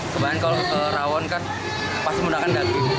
kemudian kalau rawan kan pasti mudahkan daging